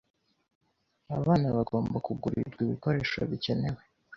Abana bagomba kugurirwa ibikoresho bikenewe,